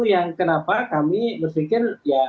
yang kenapa kami berpikir